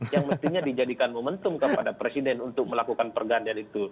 yang mestinya dijadikan momentum kepada presiden untuk melakukan pergantian itu